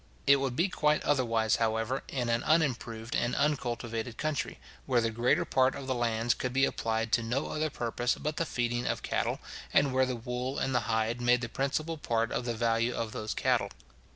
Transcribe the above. It would be quite otherwise, however, in an unimproved and uncultivated country, where the greater part of the lands could be applied to no other purpose but the feeding of cattle, and where the wool and the hide made the principal part of the value of those cattle.